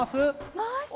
回してる。